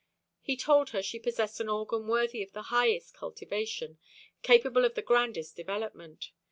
He told her she possessed an organ worthy of the highest cultivation, capable of the grandest development.